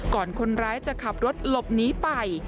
คนร้ายจะขับรถหลบหนีไป